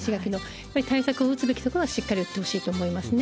やっぱり対策を打つべきところはしっかり打ってほしいと思います